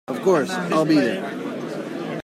Of course, I’ll be there!